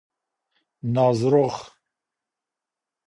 نازرخ